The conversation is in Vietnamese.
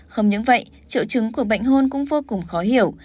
không những vậy triệu chứng của bệnh hôn cũng vô cùng khó hiểu